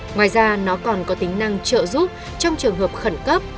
ngoài ra nó còn có tính năng trợ giúp trong trường hợp khẩn cấp